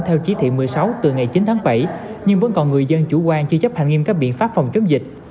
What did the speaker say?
theo chỉ thị một mươi sáu từ ngày chín tháng bảy nhưng vẫn còn người dân chủ quan chưa chấp hành nghiêm các biện pháp phòng chống dịch